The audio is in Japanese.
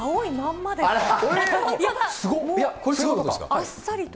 あっさりと。